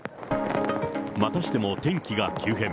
またしても天気が急変。